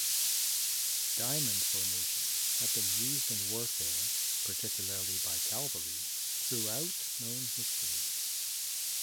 Diamond formations have been used in warfare, particularly by cavalry, throughout known history.